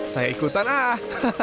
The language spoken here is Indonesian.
saya ikutan ah